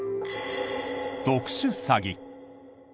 特殊詐欺。